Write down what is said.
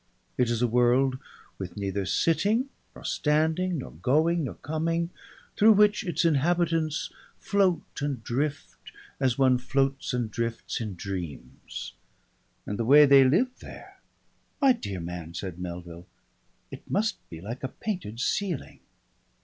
It is a world with neither sitting, nor standing, nor going, nor coming, through which its inhabitants float and drift as one floats and drifts in dreams. And the way they live there! "My dear man!" said Melville, "it must be like a painted ceiling!..."